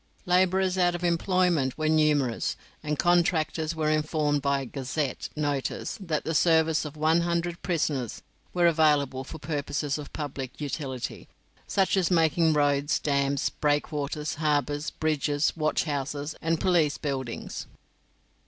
Labourers out of employment were numerous, and contractors were informed by 'Gazette' notice that the services of one hundred prisoners were available for purposes of public utility, such as making roads, dams, breakwaters, harbours, bridges, watchhouses, and police buildings.